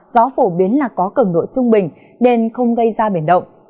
gió phổ biến là có cường độ trung bình nên không gây ra biển động